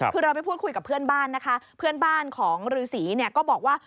คือเราไปพูดคุยกับเพื่อนบ้านนะคะเพื่อนบ้านของฤษีเนี่ยก็บอกว่า